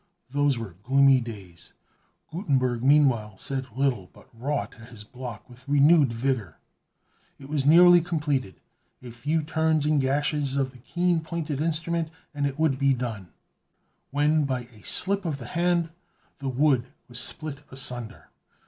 Those were gloomy days. Gutenberg meanwhile said little, but wrought at his block with renewed vigor. It was nearly completed; a few turns and gashes of the keen pointed instrument, and it would be done; when by a slip of the hand the wood was split asunder!